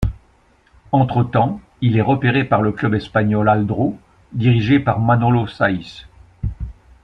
Entre temps, il est repéré par le club espagnol Aldro, dirigé par Manolo Saiz.